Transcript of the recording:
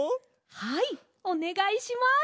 はいおねがいします！